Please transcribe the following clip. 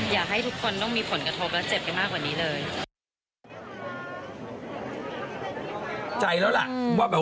อยากให้ทุกคนต้องมีผลกระทบและเจ็บกันมากกว่านี้เลย